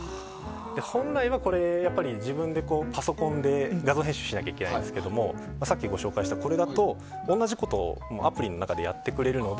本来は、これを自分でパソコンで画像編集しないといけませんがさっきご紹介したこれだと同じことをアプリの中でやってくれるので。